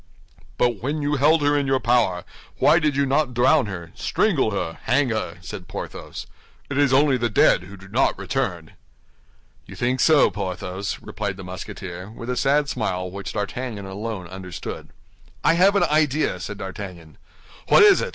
"But when you held her in your power, why did you not drown her, strangle her, hang her?" said Porthos. "It is only the dead who do not return." "You think so, Porthos?" replied the Musketeer, with a sad smile which D'Artagnan alone understood. "I have an idea," said D'Artagnan. "What is it?"